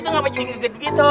itu kenapa jadi geget geget gitu